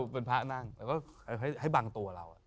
เป็นพระนั่งให้บำตัวเรา